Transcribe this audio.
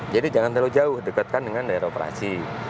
jadi jangan terlalu jauh dekatkan dengan daerah operasi